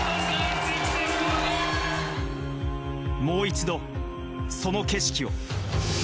もう一度、その景色を。